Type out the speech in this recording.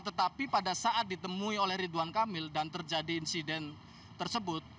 tetapi pada saat ditemui oleh ridwan kamil dan terjadi insiden tersebut